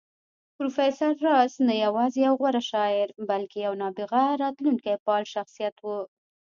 پروفېسر راز نه يوازې يو غوره شاعر بلکې يو نابغه راتلونکی پال شخصيت و